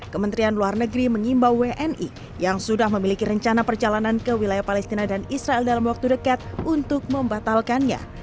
kementerian luar negeri mengimbau wni yang sudah memiliki rencana perjalanan ke wilayah palestina dan israel dalam waktu dekat untuk membatalkannya